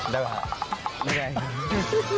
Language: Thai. ได้ไหมไม่ได้